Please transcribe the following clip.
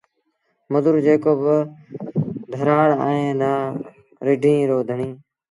مزوٚر جيڪو نا ڌرآڙ اهي نا رڍينٚ رو ڌڻيٚ